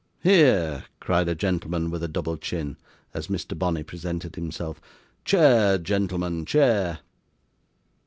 'Hear!' cried a gentleman with a double chin, as Mr. Bonney presented himself. 'Chair, gentlemen, chair!